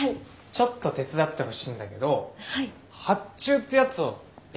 ちょっと手伝ってほしいんだけど発注ってやつをやってみます。